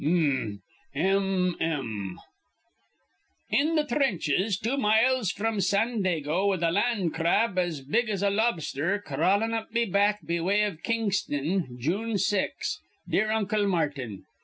'M m: In th' trinches, two miles fr'm Sandago, with a land crab as big as a lobster crawlin' up me back be way iv Kingston, June 6, Dear Uncle Martin.'